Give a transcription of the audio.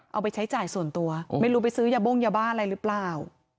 เอาไปใช้จ่ายส่วนตัวไม่รู้ไปซื้อยาบ้งยาบ้าอะไรหรือเปล่า